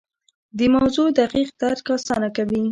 د موضوع دقیق درک اسانه کوي.